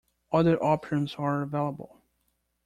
Other options are available.